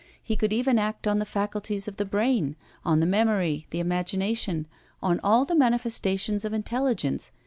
He could even act on the faculties of the brain, on the memory, the imagination, on all the manifestations of intelligence.